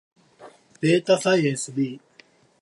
データサイエンス B